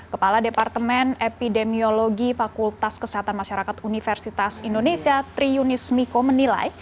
kepala departemen epidemiologi fakultas kesehatan masyarakat universitas indonesia triunis miko menilai